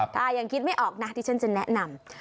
ถ้ายังคิดไม่ออกนะที่ฉันจะแนะนำ